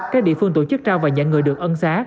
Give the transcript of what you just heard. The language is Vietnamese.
các địa phương tổ chức trao và nhận người được ân xá